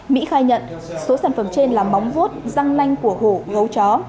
mỹ khai nhận số sản phẩm trên là móng vuốt răng nanh của hổ gấu chó